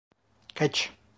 Kaç.